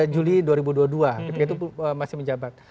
juli dua ribu dua puluh dua masih menjabat